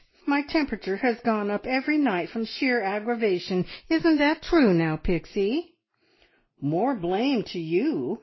My temperature has gone up every night from sheer aggravation. Isn't that true now, Pixie?" "More blame to, you!"